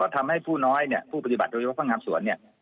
ทำให้ผู้น้อยเนี่ยผู้ปฏิบัติธุรกิจภังงามสวนเนี่ย